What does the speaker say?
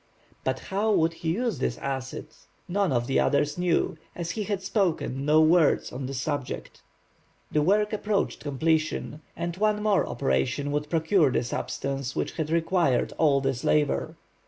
But how would he use this acid? None of the others knew, as he had spoken no word on the subject. The work approached completion, and one more operation would procure the substance which had required all this labor.